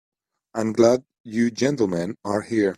I'm glad you gentlemen are here.